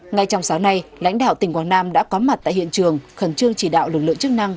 ngay trong sáng nay lãnh đạo tỉnh quảng nam đã có mặt tại hiện trường khẩn trương chỉ đạo lực lượng chức năng